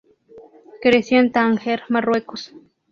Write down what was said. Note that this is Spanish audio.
Creció en Tánger, Marruecos.